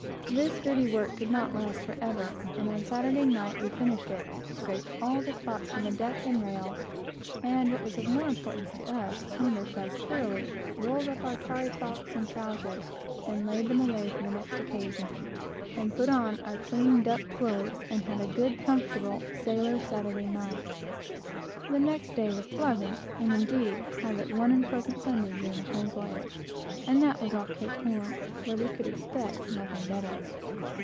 This dirty work could not last forever, and on Saturday night we finished it, scraped all the spots from the deck and rails, and, what was of more importance to us, cleaned ourselves thoroughly, rolled up our tarry frocks and trowsers and laid them away for the next occasion, and put on our clean duck clothes, and had a good comfortable sailor's Saturday night. The next day was pleasant, and indeed we had but one unpleasant Sunday during the whole voyage, and that was off Cape Horn, where we could expect nothing better.